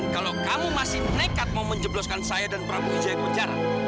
kamu masih nekat mau menjebloskan saya dan prabu hujan keonjaran